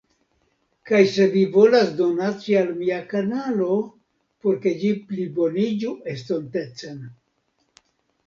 Kaj se vi volas donaci al mia kanalo por ke ĝi pliboniĝu estontecen